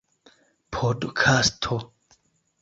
podkasto